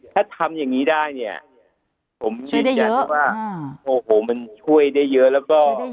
ถ้าทำอย่างนี้ได้เนี่ยผมยืนยันว่าโอ้โหมันช่วยได้เยอะแล้วก็